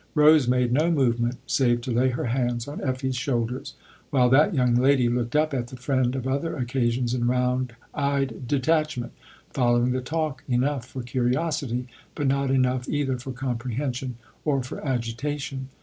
Rose made no movement save to lay her hands on Effie's shoulders, while that young lady looked up at the friend of other occasions in round eyed detachment, following the talk enough for curiosity, but not enough either for comprehension or for agitation.